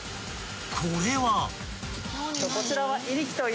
［これは］